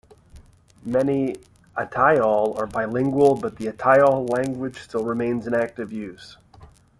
Many Atayal are bilingual, but the Atayal language still remains in active use.